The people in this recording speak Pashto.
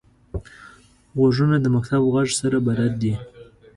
غوږونه د مکتب غږ سره بلد دي